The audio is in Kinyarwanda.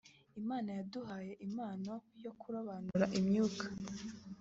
Imana yaduhaye impano yo kurobanura imyuka